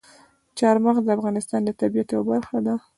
چار مغز د افغانستان د طبیعت یوه برخه ده.